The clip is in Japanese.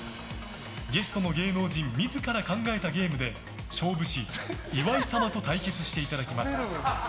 ゲストの芸能人自ら考えたゲームで勝負師・岩井様と対決していただきます。